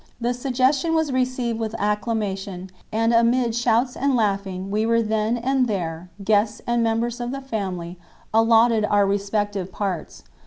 The suggestion was received with acclamation, and amid shouts and laughing we were then and there, guests and members of the family, allotted our respective parts.